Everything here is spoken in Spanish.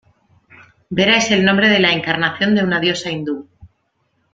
Vera es el nombre de la "encarnación de una diosa hindú".